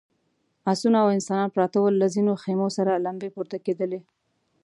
آسونه او انسانان پراته ول، له ځينو خيمو سرې لمبې پورته کېدلې….